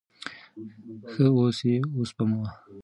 ښه اوس یې اوسپموه.